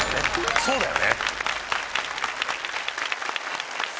そうよね！